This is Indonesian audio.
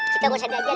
kita bisa diajarin